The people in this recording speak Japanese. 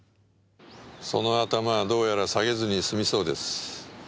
その頭はどうやら下げずに済みそうです。